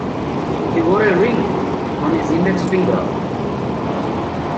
He wore a ring on his index finger.